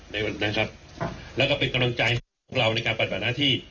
วันนั้นครับแล้วก็เป็นกำลังใจของเราในการปฏิบัติหน้าที่